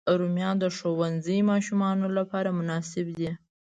رومیان د ښوونځي ماشومانو لپاره مناسب دي